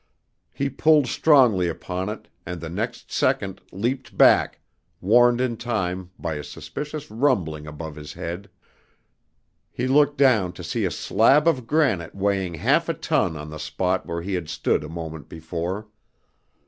He pulled strongly upon it and the next second leaped back, warned in time by a suspicious rumbling above his head. He looked down to see a slab of granite weighing half a ton on the spot where he had stood a moment before.